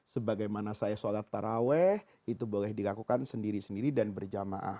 sebagaimana saya sholat taraweh itu boleh dilakukan sendiri sendiri dan berjamaah